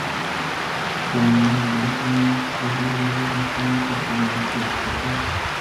Pero en unas breves semanas, fue liberado y retomó su actividad secreta.